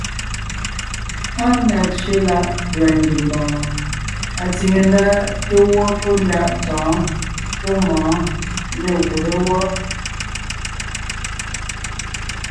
Áa na tsẅé láʼ pʉ̀a ngiembɔɔn atsìŋe ndá té gwɔ́ pɔ́ ndaʼ tɔ̌ɔn pɔ́ mɔ̌ɔn nê gùbé wɔ́.